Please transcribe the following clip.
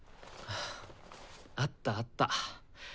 あったあった。